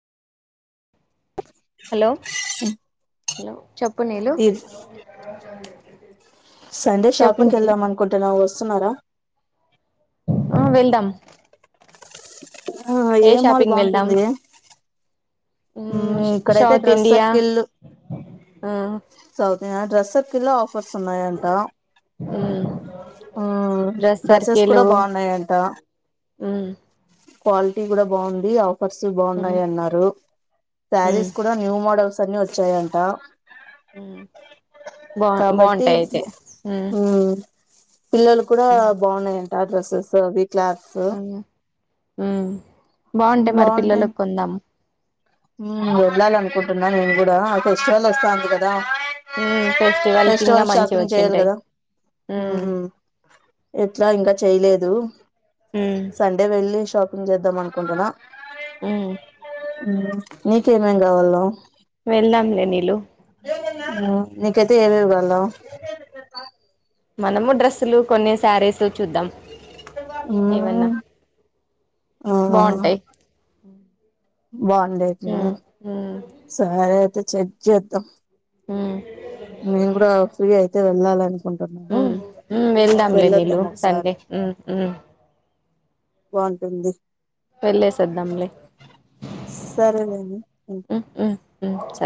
hello hello చప్ ప్పు నీలు ఈ సండే చెప్పు నీలు షాపింగ్కెళ్దాం అనుకుంటున్నా [inaudible] సున్నారా ఆ వెళ్దాం ఆ ఏ మాల్ బావుంటుంది ఊ సౌత్ ఇండియా ఆ ఓకే నా డ్రస్ సర్కిల్ లో ఆఫ్ ఫాల్స్ ఉన్నాయంట మ్మ్ ఊ డ్రెస్ డ్రసెస్ సర్కిలు కూడా బావున్నాయంట మ్మ్ క్వాలిటీ కూడా బావుంది ఫర్సు మ్మ్ బావున్నాయి అన్నారు మ్మ్ శారీస్ కూడా న్యూ మోడల్స్ అన్నీ వచ్చాయ్ అంట ఊ బా కాబట్టి బావుంటాయి అయితే ఊ మ్మ్ పిల్లలు కూడా బాగున్నాయి తస స స వి క్లాక్సు [unintelligible] హ్మ్ బాగుంటె మరి పిల్లలక్ కొందాం హ్మ్ వెళ్లాలనుకుంటున్న నేను గూడ ఆ ఫెస్టివల్ వస్తాంది కద్ ద మ్మ్ కి ఇంగా ఫెస్టివల్ మంచిగా షాపింగ్ చేయాలి వచ్చింటాయి కదా మ్మ్ హ్మ్ ఎట్లా ఇంకా చేయలేద్ హద మ్మ్ [unintelligible] సండే వెళ్ళి షాప్ ఎం చేద్దామను అనుకుంటద [unintelligible] హ్మ్ ఉ [unintelligible] నీకేమేమి కావాలో వెళ్దాంలే నీలు హ్మ్ నీకైతే ఏవేవిగాల్లా మనము డ్రస్సులు కొన్నేసి సారిస్ చూద్దాం ఏవన్నా మ్మ్ బాంటయి్ [inaudible] బాగుండేది సరే అయితే చెక్ చేద్దాం హ్మ్ నేను కూడా ఫ్రీ అయితే వెళ్ళాలని హ్మ్ హ్మ్ వెళ్దాంలే నీలు ఒకసారి సండే హ్మ్ హ్మ్ బాగుంటుంది వెళ్లేసొద్దంలే సరేలేండి హ్మ్ హ్మ్ సరే [unintelligible]